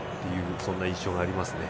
そんな印象がありますね。